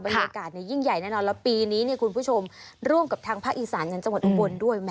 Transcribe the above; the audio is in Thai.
บรรยากาศยิ่งใหญ่แน่นอนและปีนี้คุณผู้ชมร่วมกับทางภาคอีสานจังหวัดอุบลด้วย